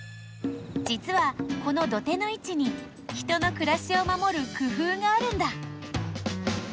じつはこの土手のいちに人のくらしをまもる工夫があるんだ。